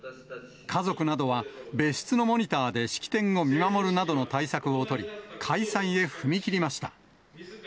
家族などは別室のモニターで式典を見守るなどの対策を取り、開催へ踏み切りました。